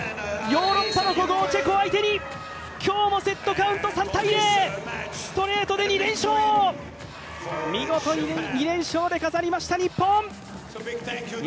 ヨーロッパの古豪・チェコ相手に今日もセットカウント３−０、ストレートで２連勝、見事２連勝で飾りました、日本。